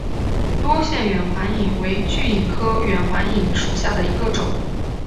多腺远环蚓为巨蚓科远环蚓属下的一个种。